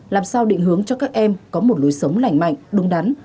làm sao định hướng cho các em có một lối sống lành mạnh đúng đắn